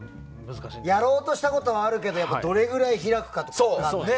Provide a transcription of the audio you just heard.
やろうとしたことはあるけどどれくらい開くかとかね。